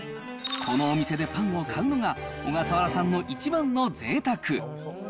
このお店でパンを買うのが、小笠原さんの一番のぜいたく。